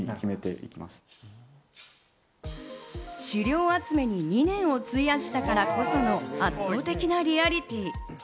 資料集めに２年を費やしたからこその圧倒的なリアリティー。